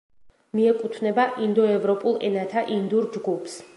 მიეკუთვნება ინდოევროპულ ენათა ინდურ ჯგუფს.